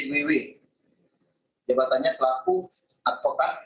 penyidikan para jambit sus menetapkan tersangka tersebut dengan inisial